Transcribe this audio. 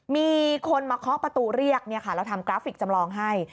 มีคนมาเคาะประตูเรียกเราทำกราฟิกจำลองให้